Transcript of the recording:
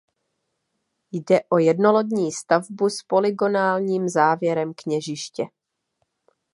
Jde o jednolodní stavbu s polygonálním závěrem kněžiště.